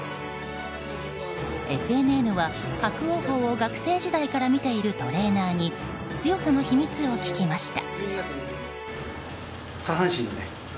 ＦＮＮは伯桜鵬を学生時代から見ているトレーナーに強さの秘密を聞きました。